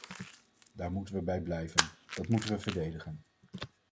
Daar moeten we bij blijven, dat moeten we verdedigen.